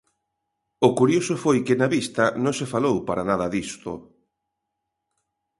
O curioso foi que na vista non se falou para nada disto.